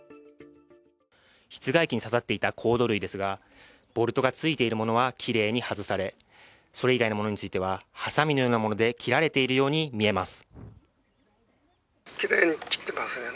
室外機にささっていたコード類ですが、ボルトがついているものはきれいに外されそれ以外のものについては、はさみのようなもので切られているようにみえます。